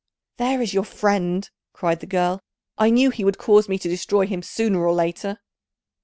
"There is your friend," cried the girl; "I knew he would cause me to destroy him sooner or later."